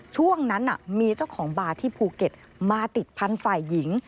ช่วงนั้นมีเจ้าของบาร์ที่ภูเก็ตมาติดพันธุ์ฝ่ายหญิง